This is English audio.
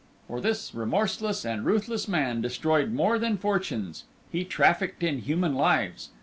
For this remorseless and ruthless man destroyed more than fortunes; he trafficked in human lives.